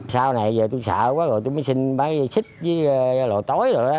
sau này giờ tôi sợ quá rồi tôi mới xin máy xích với lò tối rồi đó